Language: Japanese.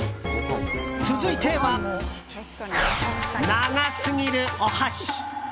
続いては、長すぎるお箸。